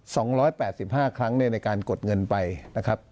สองร้อยแปดสิบห้าครั้งเนี่ยในการกดเงินไปนะครับ